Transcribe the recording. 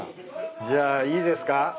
じゃあいいですか？